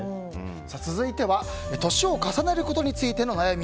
続いては年を重ねることについての悩み。